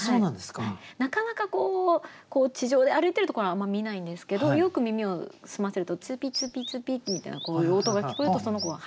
なかなか地上で歩いてるところはあんま見ないんですけどよく耳を澄ませるとツーピーツーピーツーピーみたいなこういう音が聞こえるとその子が。